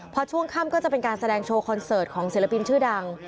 พอช่วงค่ำก็จะเป็นการแสดงโชว์คอนเสิร์ตของศิลปินชื่อดัง